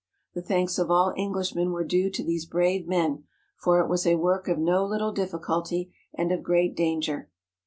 The thanks of all Englishmen were due to these brave men, for it was a work of no little difficulty and of great danger.